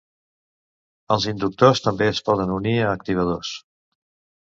Els inductors també es poden unir a activadors.